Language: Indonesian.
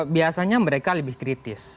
biasanya mereka lebih kritis